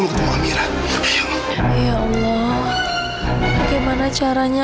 mas jangan sebenarnya